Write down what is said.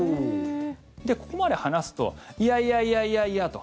ここまで話すといやいやいやいやいやと。